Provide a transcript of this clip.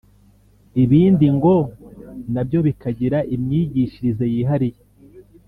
ibindi bigo na byo bikagira imyigishirize yihariye